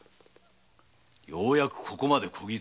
ようやくここまでこぎつけた。